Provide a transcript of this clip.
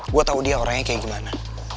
gue tau dia orangnya kayak gimana